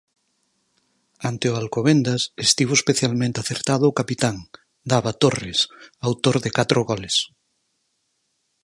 Ante o Alcobendas estivo especialmente acertado o capitán, Dava Torres, autor de catro goles.